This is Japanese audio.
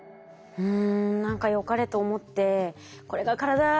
うん。